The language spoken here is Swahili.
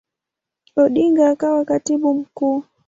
Odinga akawa Katibu Mkuu.